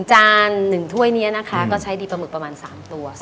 จาน๑ถ้วยนี้นะคะก็ใช้ดีปลาหมึกประมาณ๓ตัว